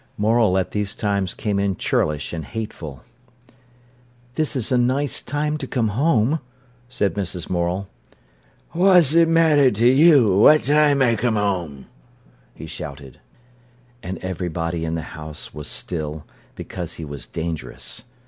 Morel at these times came in churlish and hateful. "This is a nice time to come home," said Mrs. Morel. "Wha's it matter to yo' what time I come whoam?" he shouted. And everybody in the house was still, because he was dangerous.